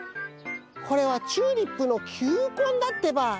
これはチューリップのきゅうこんだってば。